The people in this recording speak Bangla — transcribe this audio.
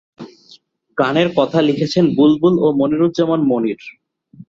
গানের কথা লিখেছেন বুলবুল ও মনিরুজ্জামান মনির।